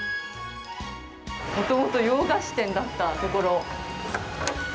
もともと洋菓子店だった所。